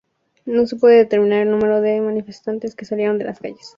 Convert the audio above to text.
No se pudo determinar el número de manifestantes que salieron a las calles.